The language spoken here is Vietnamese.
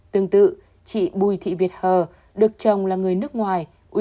tương tự chị bùi thị việt hờ được chồng là người nước ngoài